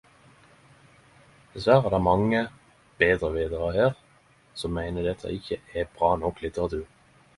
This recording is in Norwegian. Diverre er det mange betrevitarar her som meiner dette ikkje er bra nok litteratur.